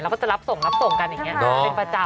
แล้วก็จะรับส่งรับส่งกันอย่างนี้เป็นประจำ